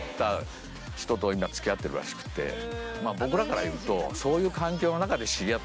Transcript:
僕らから言うと。